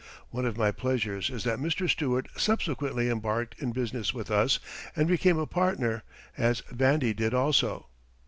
One of my pleasures is that Mr. Stewart subsequently embarked in business with us and became a partner, as "Vandy" did also.